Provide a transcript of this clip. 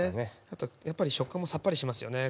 あとやっぱり食感もさっぱりしますよね